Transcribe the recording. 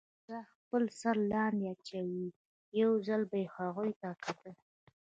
بوډا خپل سر لاندې اچولی وو، یو ځل به یې هغوی ته کتل.